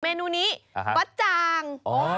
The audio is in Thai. เมนูนี้บ๊ะจ่าง